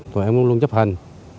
tụi em luôn luôn chấp hành